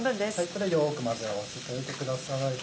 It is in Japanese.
これよく混ぜ合わせておいてください。